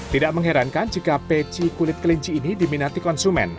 tidak mengherankan jika peci kulit kelinci ini diminati konsumen